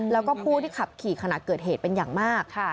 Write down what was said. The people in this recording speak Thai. แล้วก็ผู้ที่ขับขี่ขณะเกิดเหตุเป็นอย่างมาก